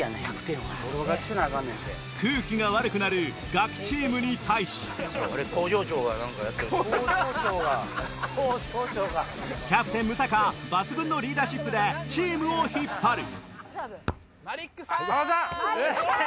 空気が悪くなるガキチームに対しキャプテン六平抜群のリーダーシップでチームを引っ張るマリックさん！